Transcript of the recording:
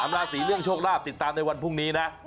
ราศีเรื่องโชคลาภติดตามในวันพรุ่งนี้นะ